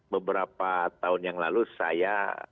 beberapa tahun yang lalu saya